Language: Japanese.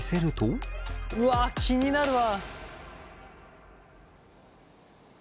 うわ気になるわ。